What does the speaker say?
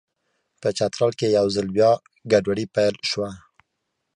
په چترال کې یو ځل بیا ګډوډي پیل شوه.